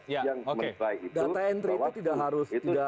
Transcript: yang menilai itu bahwa itu